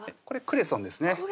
これクレソンですね